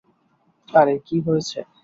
আরে কি হয়েছে?